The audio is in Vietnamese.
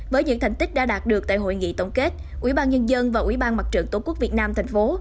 với những thành tích đã đạt được tại hội nghị tổng kết ủy ban nhân dân và ủy ban mặt trận tổ quốc việt nam thành phố